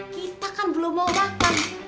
kita kan belum mau makan